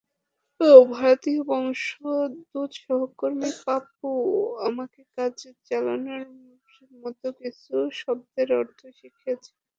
ভারতীয় বংশোদ্ভূত সহকর্মী পাপ্পু আমাকে কাজ চালানোর মতো কিছু শব্দের অর্থ শিখিয়েছিল।